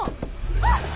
あっ！